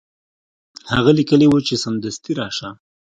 هغه لیکلي وو چې سمدستي راشه.